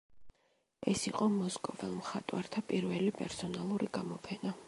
ეს იყო მოსკოველ მხატვართა პირველი პერსონალური გამოფენა.